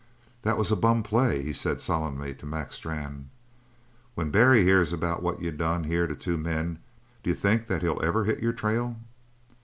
"That was a bum play," he said solemnly to Mac Strann. "When Barry hears about what you done here to two men, d'you think that he'll ever hit your trail?"